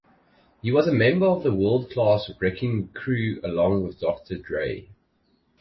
He was a member of the World Class Wreckin' Cru along with Doctor Dre.